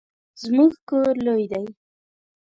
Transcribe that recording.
زموږ کور لوی دی